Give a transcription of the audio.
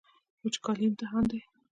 وچکالي امتحان دی.